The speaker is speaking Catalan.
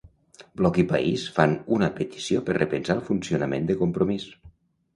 Bloc i País fan una petició per repensar el funcionament de Compromís.